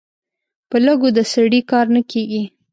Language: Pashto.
په لږو د سړي کار نه کېږي.